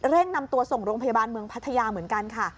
นำตัวส่งโรงพยาบาลเมืองพัทยาเหมือนกันค่ะ